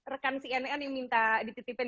rekan cnn yang minta dititipin